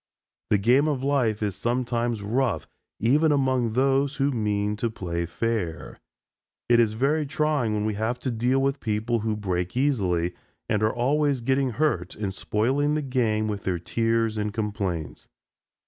The game of life is sometimes rough, even among those who mean to play fair. It is very trying when we have to deal with people who break easily, and are always getting hurt and spoiling the game with their tears and complaints.